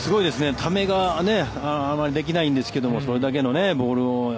ためが、あまりできないんですがそれだけのボールを。